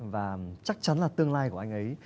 và chắc chắn là tương lai của anh ấy